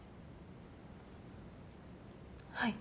はい。